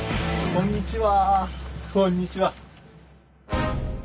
こんにちは。